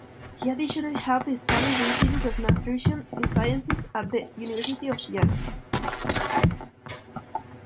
He additionally helped establish the Institute of Nutrition Sciences at the University of Vienna.